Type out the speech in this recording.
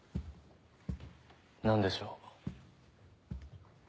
何でしょう？